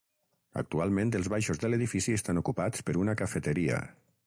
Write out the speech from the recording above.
Actualment els baixos de l'edifici estan ocupats per una cafeteria.